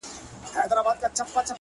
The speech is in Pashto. چي په سرو وینو کي اشنا وویني!!